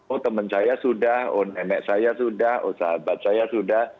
oh teman saya sudah oh nenek saya sudah oh sahabat saya sudah